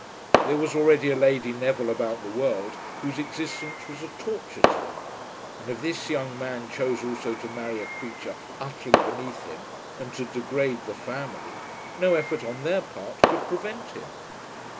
There was already a Lady Neville about the world whose existence was a torture to them; and if this young man chose also to marry a creature utterly beneath him and to degrade the family, no effort on their part could prevent him.